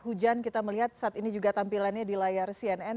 hujan kita melihat saat ini juga tampilannya di layar cnn